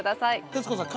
徹子さん